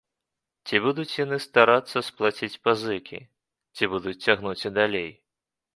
Ці будуць яны старацца сплаціць пазыкі, ці будуць цягнуць і далей?